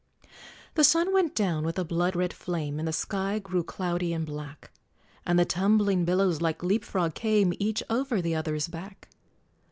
The sun went down with a blood red flame, And the sky grew cloudy and black, And the tumbling billows like leap frog came, Each over the other's back!